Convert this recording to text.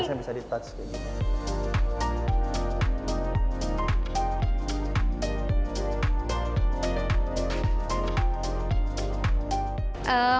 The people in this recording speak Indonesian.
biasanya bisa di touch kayak gitu